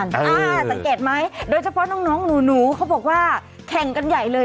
อ่าสังเกตไหมโดยเฉพาะน้องหนูเขาบอกว่าแข่งกันใหญ่เลย